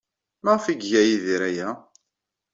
Maɣef ay iga Yidir aya?